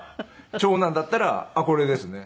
長男だったらあっこれですね。